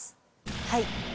はい。